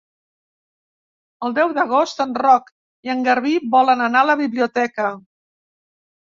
El deu d'agost en Roc i en Garbí volen anar a la biblioteca.